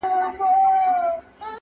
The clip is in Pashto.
• یو که بل وي نو څلور یې پښتانه وي,